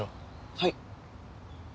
はい。